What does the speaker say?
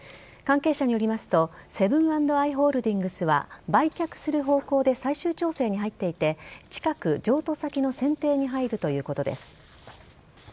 関係者によりますと、セブン＆アイ・ホールディングスは、売却する方向で最終調整に入っていて、近く、譲渡先の選定に入るということです。